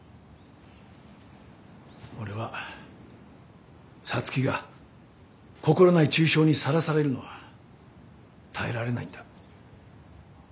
俺は皐月が心ない中傷にさらされるのは耐えられないんだ。